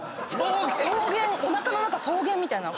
おなかの中草原みたいな。